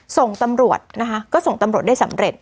ส่งตำรวจนะคะก็ส่งตำรวจได้สำเร็จ